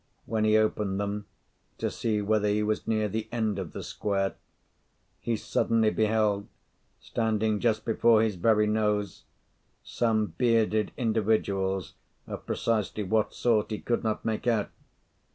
When he opened them, to see whether he was near the end of the square, he suddenly beheld, standing just before his very nose, some bearded individuals of precisely what sort he could not make out.